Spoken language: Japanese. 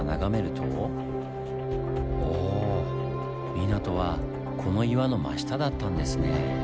港はこの岩の真下だったんですねぇ。